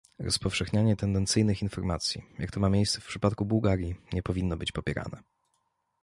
Rozpowszechnianie tendencyjnych informacji, jak to ma miejsce w przypadku Bułgarii, nie powinno być popierane